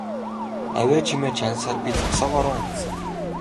Авиа чимээ чагнасаар би зогсоогоороо унтсан.